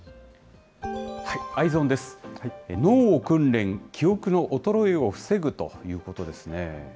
脳を訓練、記憶の衰えを防ぐということですね。